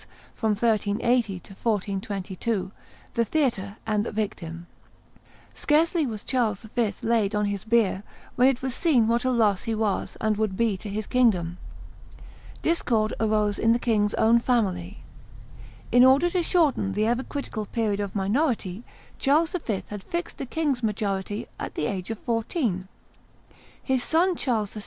from 1380 to 1422, the theatre and the victim. Scarcely was Charles V. laid on his bier when it was seen what a loss he was and would be to his kingdom. Discord arose in the king's own family. In order to shorten the ever critical period of minority, Charles V. had fixed the king's majority at the age of fourteen. His son, Charles VI.